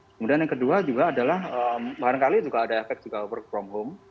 kemudian yang kedua juga adalah barangkali juga ada efek juga work from home